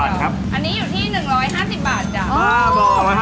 อันนี้อยู่ที่๑๕๐บาทจ้ะ